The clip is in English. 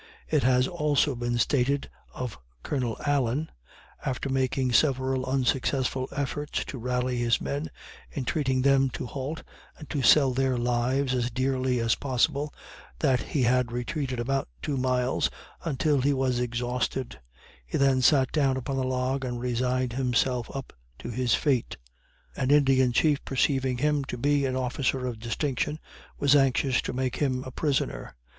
It has also been stated of Colonel Allen: "After making several unsuccessful efforts to rally his men entreating them to halt, and to sell their lives as dearly as possible that he had retreated about two miles, until he was exhausted; he then sat down upon a log and resigned himself up to his fate. An Indian Chief perceiving him to be an officer of distinction, was anxious to make him a prisoner.